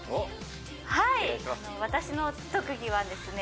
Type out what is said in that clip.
はい私の特技はですね